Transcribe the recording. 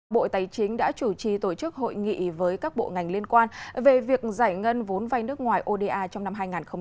bộ tài chính đã chủ trì tổ chức hội nghị với các bộ ngành liên quan về việc giải ngân vốn vay nước ngoài oda trong năm hai nghìn hai mươi